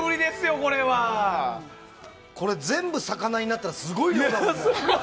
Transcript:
これ、全部魚になったらすごいよね。